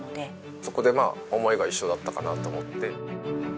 そこでまあ思いが一緒だったかなと思って。